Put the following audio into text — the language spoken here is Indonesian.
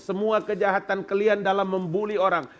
semua kejahatan kalian dalam membuli orang